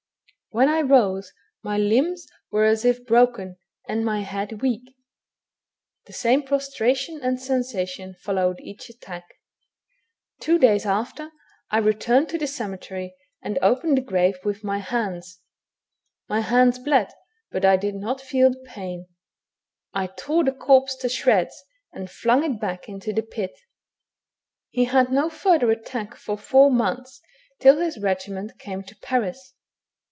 When I rose, my limbs were as if broken, and my head weak. The same prostration and sensation followed each attack. Two days after, I returned to the cemetery, and opened the grave with my hands. My hands bled, but I did not feel the pain ; I tore the corpse to shreds, and flung it back into the pit." He had no further attack for four months, till his regiment came to Paris.